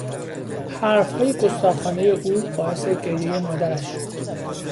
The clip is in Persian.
حرفهای گستاخانهی او باعث گریهی مادرش شد.